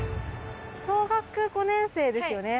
小学５年生ですよね？